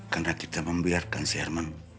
karena kita membiarkan si herman